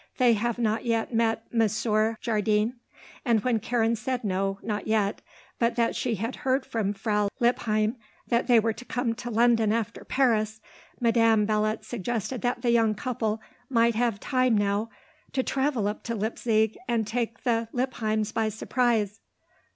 "They have not yet met Monsieur Jardine?" And when Karen said no, not yet; but that she had heard from Frau Lippheim that they were to come to London after Paris, Madame Belot suggested that the young couple might have time now to travel up to Leipsig and take the Lippheims by surprise.